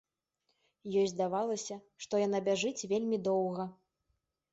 Ёй здавалася, што яна бяжыць вельмі доўга.